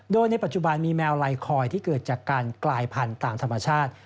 โดยในปัจจุบันมีแมวไลคอยที่เกิดจากการกลายพันธุ์ตามธรรมชาติ